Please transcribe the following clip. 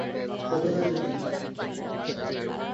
ওখানে যেও না।